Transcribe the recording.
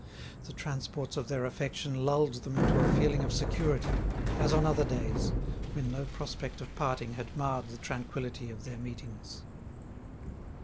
The transports of their affection lulled them into a feeling of security, as on other days, when no prospect of parting had marred the tranquility of their meetings.